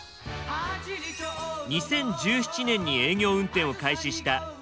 ２０１７年に営業運転を開始したＥ３５３系。